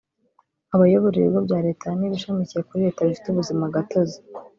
abayobora ibigo bya Leta n’ibishamikiye kuri Leta bifite ubuzima gatozi